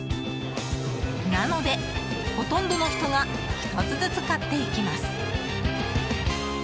なので、ほとんどの人が１つずつ買っていきます。